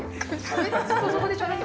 ずっとそこでしゃべって。